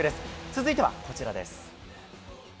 続いてはこちらです。